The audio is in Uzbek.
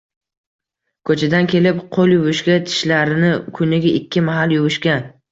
ko‘chadan kelib qo‘l yuvishga, tishlarini kuniga ikki mahal yuvishga